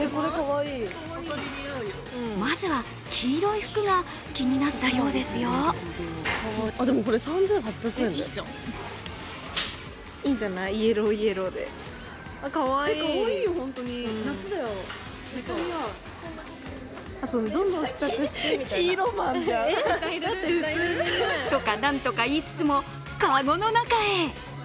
まずは黄色い服が気になったようですよ。とかなんとか言いつつも籠の中へ。